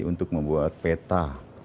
untuk membuat peta